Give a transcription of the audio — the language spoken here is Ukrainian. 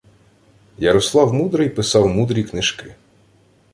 Ярослав Мудрий писав мудрі книжки